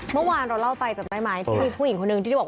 เมื่อวานเราเล่าไปจำได้ไหมที่มีผู้หญิงคนนึงที่บอก